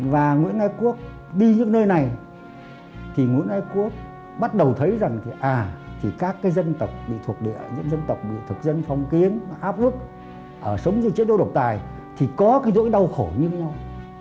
và nguyễn đại quốc đi những nơi này thì nguyễn đại quốc bắt đầu thấy rằng thì các dân tộc bị thuộc địa dân tộc bị thuộc dân phong kiến áp ước sống như chế độ độc tài thì có cái rỗi đau khổ như thế nào